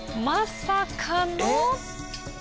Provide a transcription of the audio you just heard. まさかの。